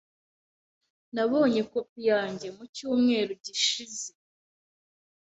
Nabonye kopi yanjye mu cyumweru gishize.